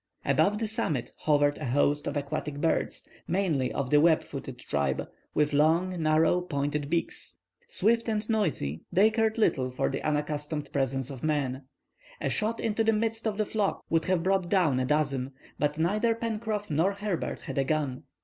About the summit hovered a host of aquatic birds, mainly of the web footed tribe, with long, narrow, pointed beaks. Swift and noisy, they cared little for the unaccustomed presence of man. A shot into the midst of the flock would have brought down a dozen; but neither Pencroff nor Herbert had a gun.